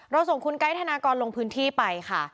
ส่งคุณไกด์ธนากรลงพื้นที่ไปค่ะ